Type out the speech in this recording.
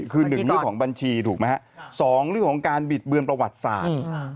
คือ๑เรื่องของบัญชีถูกไหมฮะ๒เรื่องของการบิดเบือนประวัติศาสตร์